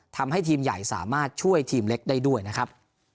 ทำให้ทีมใหญ่สามารถช่วยทีมเล็กได้ด้วยนะครับ